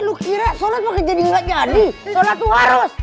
lu kira sholat pake jadi jadi sholat tuh harus